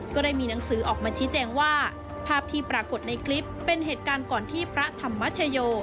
ก็ได้มีหนังสือออกมาชี้แจงว่าภาพที่ปรากฏในคลิปเป็นเหตุการณ์ก่อนที่พระธรรมชโย